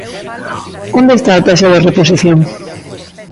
¿Onde está a taxa de reposición?